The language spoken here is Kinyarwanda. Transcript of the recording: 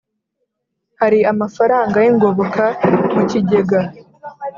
hari amafaranga y ingoboka mu kigega